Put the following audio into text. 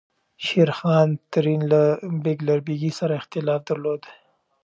شېرخان ترین له بیګلربیګي سره اختلاف درلود.